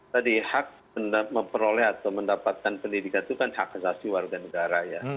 tadi hak memperoleh atau mendapatkan pendidikan itu kan hak asasi warga negara ya